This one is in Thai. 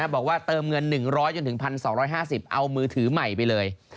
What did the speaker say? บอกว่าเติมเงิน๑๐๐จนถึง๑๒๕๐เอามือถือใหม่ไปเลย